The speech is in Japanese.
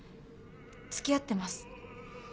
つきあってます。